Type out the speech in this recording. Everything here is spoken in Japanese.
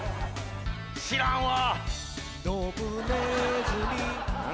知らんわ。